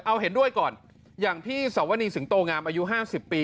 เอาเห็นด้วยก่อนอย่างพี่สวนีสิงโตงามอายุ๕๐ปี